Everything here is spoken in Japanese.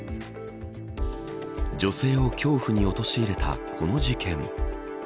女性を恐怖に陥れたこの事件。